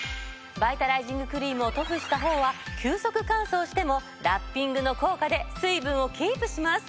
バイタライジングクリームを塗布したほうは急速乾燥してもラッピングの効果で水分をキープします。